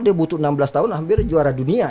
dia butuh enam belas tahun hampir juara dunia